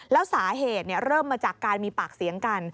แล้วสาเหตุเริ่มมาจากการมีปากเสียงกัน